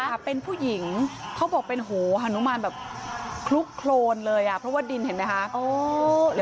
ค่ะเป็นผู้หญิงเขาบอกเป็นโหฮานุมานแบบคลุกโครนเลยอ่ะเพราะว่าดินเห็นไหมคะ